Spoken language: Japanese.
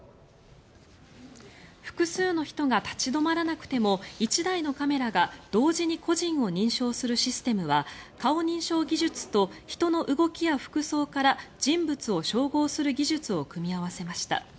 複数の人が立ち止まらなくても１台のカメラが同時に個人を認証するシステムは顔認証技術と人の動きや服装から人物を照合する技術を組み合わせました。